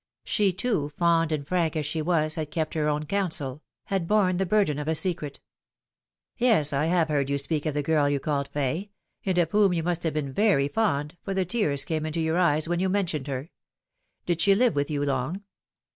She, too, fond and frank as she was, had kept her own counsel, had borne the burden of a secret. " Yes, I have heard you speak of the girl you called Fay, and of whom you must have been very fond, for the tears came into your eyes when you mentioned her. Did she live with you long?"